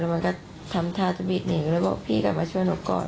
แล้วมันก็ทำท่าจะบีดหนีแล้วพี่กลับมาช่วยหนูก่อน